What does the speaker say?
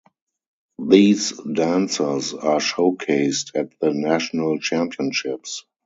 These dancers are showcased at the National Championships.